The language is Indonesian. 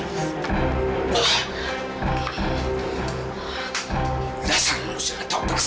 memang pantas diterima oleh orang yang tidak lebih dalam